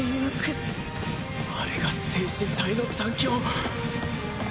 あれが精神体の残響。